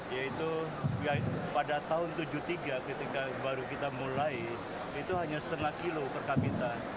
yaitu pada tahun seribu sembilan ratus tujuh puluh tiga ketika baru kita mulai itu hanya setengah kilo per kapita